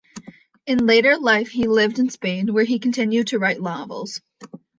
In later life he lived in Spain, where he continued to write novels.